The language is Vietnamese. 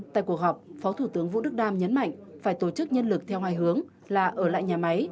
tại cuộc họp phó thủ tướng vũ đức đam nhấn mạnh phải tổ chức nhân lực theo hai hướng là ở lại nhà máy